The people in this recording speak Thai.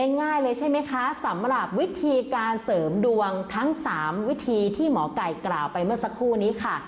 ง่ายเลยใช่ไหมคะสำหรับวิธีการเสริมดวงทั้ง๓วิธีที่หมอไก่กล่าวไปเมื่อสักครู่นี้ค่ะ